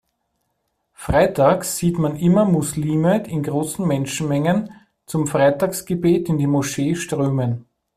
Freitags sieht man immer Muslime in großen Menschenmengen zum Freitagsgebet in die Moschee strömen.